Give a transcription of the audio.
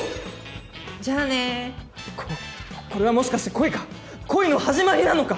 「じゃあね」。「ここれはもしかして恋か！？恋の始まりなのか？